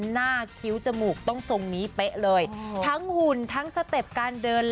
คิ้วจมูกต้องทรงนี้เป๊ะเลยทั้งหุ่นทั้งสเต็ปการเดิน